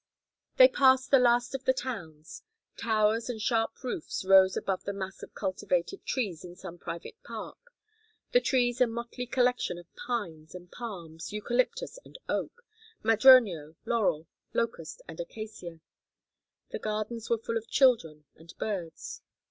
They passed the last of the towns. Towers and sharp roofs rose above the mass of cultivated trees in some private park; the trees a motley collection of pines and palms, eucalyptus and oak, madroño, laurel, locust, and acacia. The gardens were full of children and birds.